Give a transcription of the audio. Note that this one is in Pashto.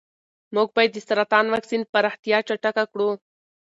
موږ باید د سرطان واکسین پراختیا چټکه کړو.